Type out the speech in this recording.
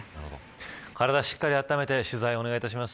体をしっかりと温めて取材をお願いします。